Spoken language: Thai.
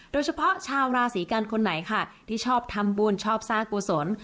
โดยเฉพาะชาวราศีกันคนไหนค่ะที่ชอบทำบุญชอบสร้างกุศล